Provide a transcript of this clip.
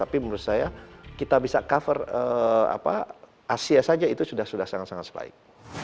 tapi menurut saya kita bisa cover asia saja itu sudah sangat sangat sebaik